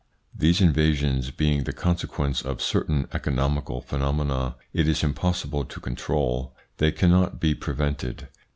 1 These invasions being the consequence of certain economical phenomena it is impossible to control, they cannot be prevented.